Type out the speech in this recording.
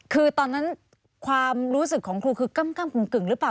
คือตอนนั้นความรู้สึกของครูคือกำกึ่งหรือเปล่า